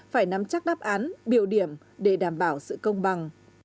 phải nắm chắc đáp án biểu điểm để đảm bảo sự công bằng